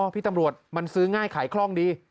พี่ตำรวจมันซื้อง่ายขายคล่องดี